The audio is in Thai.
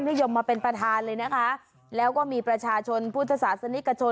นิยมมาเป็นประธานเลยนะคะแล้วก็มีประชาชนพุทธศาสนิกชน